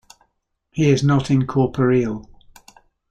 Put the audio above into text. He is not incorporeal.